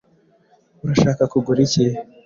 Urashaka kugura iki?